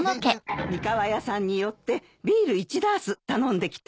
三河屋さんに寄ってビール１ダース頼んできて。